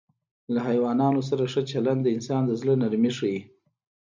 له حیواناتو سره ښه چلند د انسان د زړه نرمي ښيي.